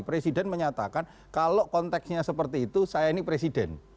presiden menyatakan kalau konteksnya seperti itu saya ini presiden